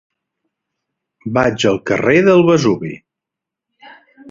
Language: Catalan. Vaig al carrer del Vesuvi.